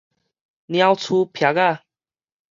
鳥鼠擗仔